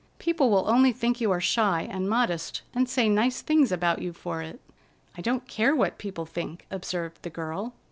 People will only think you are shy and modest, and say nice things about you for it." "I don't care what people think," observed the girl.